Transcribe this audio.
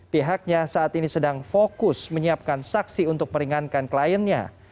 pihaknya saat ini sedang fokus menyiapkan saksi untuk meringankan kliennya